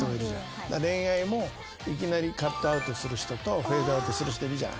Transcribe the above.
恋愛もいきなりカットアウトする人とフェードアウトする人いるじゃない。